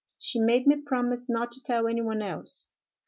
She made me promise not to tell any one else.